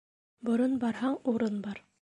Борон барһаң, урын бар.